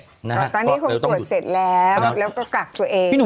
ตอนนี้คงตรวจเสร็จแล้วแล้วก็กักตัวเอง